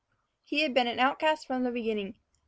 He had been an outcast from the beginning.